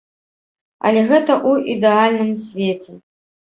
Але гэта ў ідэальным свеце.